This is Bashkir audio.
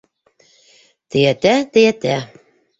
— Тейәтә, тейәтә.